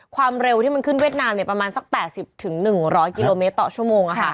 ความเร็วที่มันขึ้นเวียดแนามเนี่ยประมาณ๘๐๑๐๐คมต่อชั่วโมง